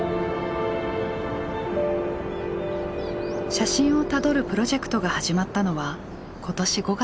写真をたどるプロジェクトが始まったのは今年５月。